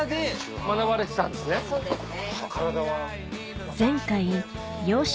そうですね。